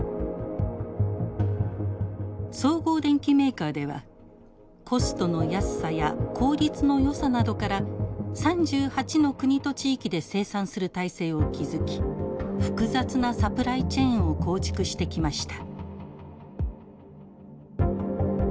総合電機メーカーではコストの安さや効率のよさなどから３８の国と地域で生産する体制を築き複雑なサプライチェーンを構築してきました。